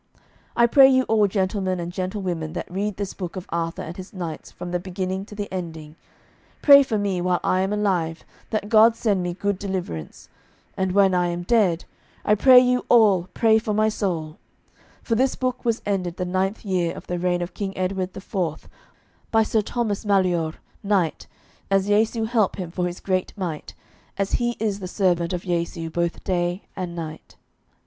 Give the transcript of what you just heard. I pray you all gentlemen and gentlewomen that read this book of Arthur and his knights from the beginning to the ending, pray for me while I am alive that God send me good deliverance, and when I am dead, I pray you all pray for my soul; for this book was ended the ninth year of the reign of King Edward the Fourth by Sir Thomas Maleore, knight, as Jesu help him for his great might, as he is the servant of Jesu both day and night.